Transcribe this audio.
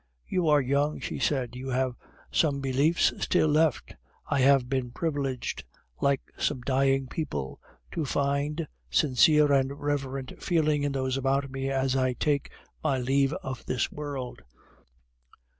"You are young," she said; "you have some beliefs still left. I have been privileged, like some dying people, to find sincere and reverent feeling in those about me as I take my leave of this world."